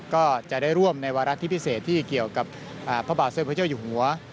ก็จะได้ร่วมในวารักษณ์ที่พิเศษที่เกี่ยวกับพระบาทเซวประเจ้าอย่างหัว